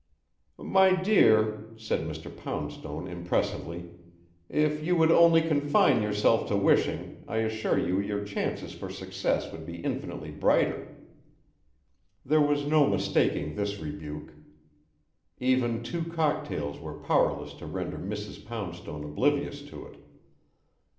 "My dear," said Mr. Poundstone impressively, "if you would only confine yourself to wishing, I assure you your chances for success would be infinitely brighter." There was no mistaking this rebuke; even two cocktails were powerless to render Mrs. Poundstone oblivious to it.